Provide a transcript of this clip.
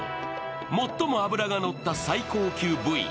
最も脂がのった最高級部位。